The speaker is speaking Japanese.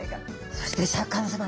そしてシャーク香音さま